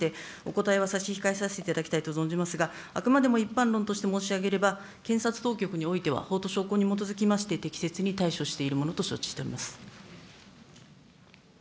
お尋ねは個別事件における捜査の具体的な内容にかかわる事柄でございまして、お答えは差し控えさせていただきたいと存じますが、あくまでも一般論として申し上げれば、検察当局においては、法と証拠に基づきまして、適切に対処しているものと承知しております。